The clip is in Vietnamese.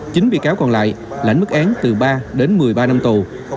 chín bị cáo còn lại lãnh mức án từ ba đến một mươi ba năm tù